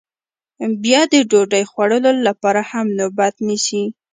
بیا د ډوډۍ خوړلو لپاره هم نوبت نیسي